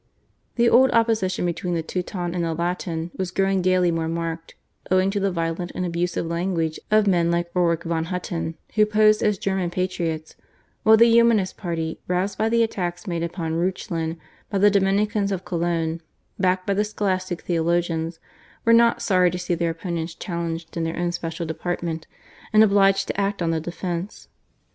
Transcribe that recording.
The old opposition between the Teuton and the Latin was growing daily more marked owing to the violent and abusive language of men like Ulrich von Hutten, who posed as German patriots; while the Humanist party, roused by the attacks made upon Reuchlin by the Dominicans of Cologne, backed by the Scholastic Theologians, were not sorry to see their opponents challenged in their own special department, and obliged to act on the defensive.